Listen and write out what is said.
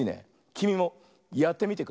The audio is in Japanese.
きみもやってみてくれ。